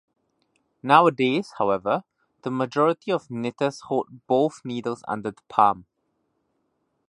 Nowadays, however, the majority of knitters hold both needles under the palm.